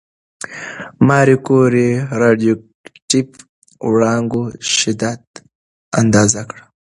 ماري کوري د راډیواکټیف وړانګو شدت اندازه کړ.